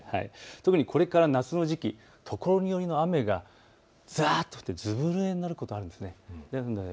特にこれから夏の時期ところによりの雨がざっと降ってずぶぬれになることがあるんです。